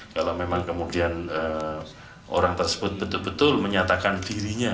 kalau memang kemudian orang tersebut betul betul menyatakan dirinya